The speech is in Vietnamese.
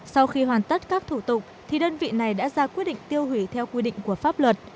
sau khi hoàn tất các thủ tục thì đơn vị này đã ra quyết định tiêu hủy theo quy định của pháp luật